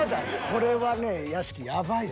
これはね屋敷やばいぞ。